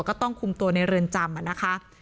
ก็ต้องคุมตัวในเรือนจำนะคะ